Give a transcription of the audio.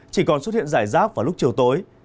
chỉ còn xuất hiện rải rác vào lúc chiều tối